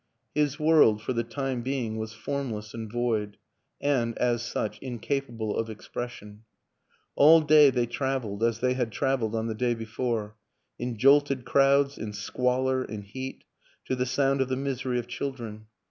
His world, for the time being, was form less and void, and, as such, incapable of expres sion. All day they traveled, as they had traveled on the day before: in jolted crowds, in squalor, in heat, to the sound of the misery of children.